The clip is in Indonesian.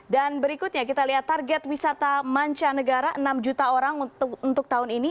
dan berikutnya kita lihat target wisata mancanegara enam juta orang untuk tahun ini